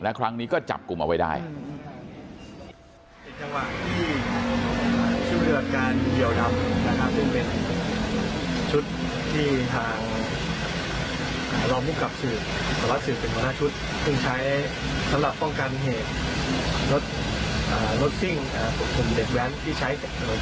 ครั้งนี้ก็จับกลุ่มเอาไว้ได้